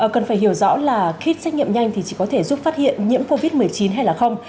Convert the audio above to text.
cần phải hiểu rõ là khi xét nghiệm nhanh thì chỉ có thể giúp phát hiện nhiễm covid một mươi chín hay là không